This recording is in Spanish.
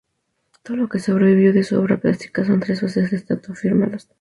Todo lo que sobrevive de su obra plástica son tres bases de estatua firmadas.